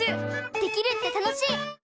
できるって楽しい！